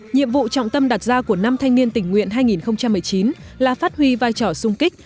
nhiệm vụ trọng tâm đặt ra của năm thanh niên tình nguyện hai nghìn một mươi chín là phát huy vai trò sung kích